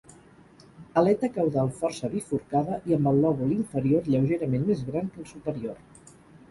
Aleta caudal força bifurcada i amb el lòbul inferior lleugerament més gran que el superior.